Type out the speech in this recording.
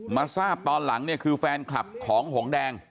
มาทราบตอนหลังเนี่ยคือแฟนคลับของหงแดง